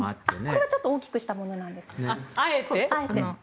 これはちょっと大きくしたものなんです。